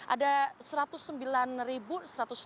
ada seratus sementara yang menanggung arus mudik yang dikatakan sukses